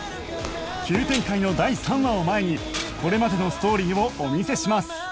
急展開の第３話を前にこれまでのストーリーをお見せします